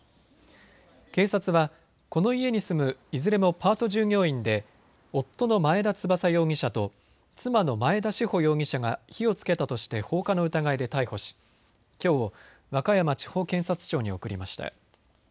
警察はこの家に住むいずれもパート従業員で夫の前田翼容疑者と妻の前田志保容疑者が火をつけたとして放火の疑いで逮捕し、きょう和歌山地方検察庁に送りました。